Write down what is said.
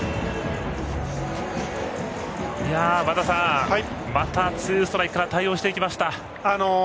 和田さんまたツーストライクから対応していきました。